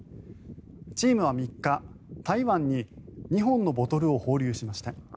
チームは３日、タイ湾に２本のボトルを放流しました。